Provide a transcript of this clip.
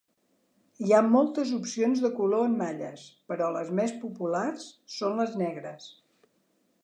Hi ha moltes opcions de color en malles, però les més populars són les negres.